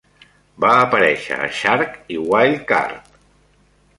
Va aparèixer a "Shark" i "Wild Card".